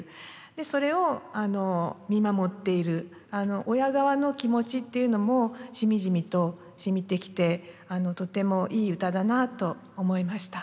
でそれを見守っている親側の気持ちっていうのもしみじみとしみてきてとてもいい歌だなと思いました。